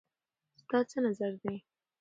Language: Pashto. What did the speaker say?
ستا څه نظر دی